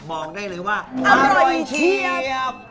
บอกได้เลยว่าอร่อยเชียบ